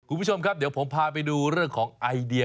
คุณผู้ชมครับเดี๋ยวผมพาไปดูเรื่องของไอเดีย